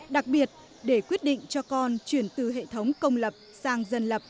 đặc biệt để quyết định cho con chuyển từ hệ thống công lập sang dân lập